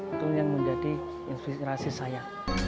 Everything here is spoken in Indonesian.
itu yang menjadi inspirasi saya